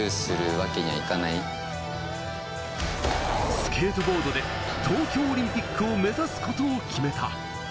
スケートボードで東京オリンピックを目指すことを決めた。